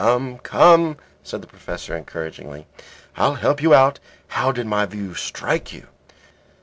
"Come, come," said the Professor, encouragingly, "I'll help you out. How did my view strike you?"